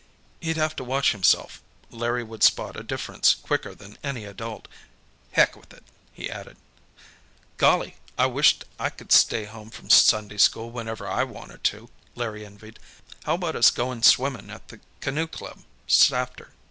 He'd have to watch himself. Larry would spot a difference quicker than any adult. "Heck with it," he added. "Golly, I wisht I c'ld stay home from Sunday school whenever I wanted to," Larry envied. "How about us goin' swimmin', at the Canoe Club, 'safter?"